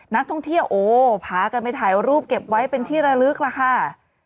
นักท่องเที่ยวโอ้พากันไปถ่ายรูปเก็บไว้เป็นที่ระลึกล่ะค่ะ